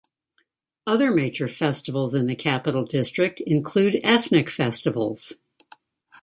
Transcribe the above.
Other major festivals in the Capital District include ethnic festivals.